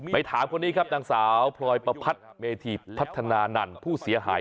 ถามคนนี้ครับนางสาวพลอยประพัดเมธีพัฒนานันต์ผู้เสียหาย